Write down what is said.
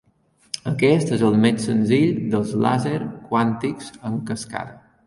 Aquest és el més senzill dels làser quàntics en cascada.